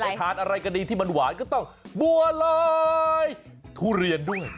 ทานอะไรก็ดีที่มันหวานก็ต้องบัวลอยทุเรียนด้วย